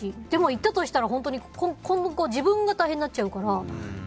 でも行ったとしたら、今後自分が大変になっちゃうから。